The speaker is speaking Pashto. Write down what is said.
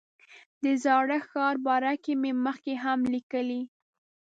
د زاړه ښار باره کې مې مخکې هم لیکلي.